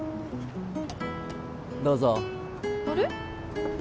どうぞあれ？